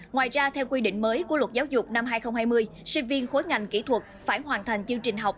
ngoài ra theo quy định mới của luật giáo dục năm hai nghìn hai mươi sinh viên khối ngành kỹ thuật phải hoàn thành chương trình học